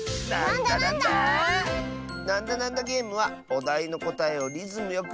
「なんだなんだゲーム」はおだいのこたえをリズムよくいっていくゲーム。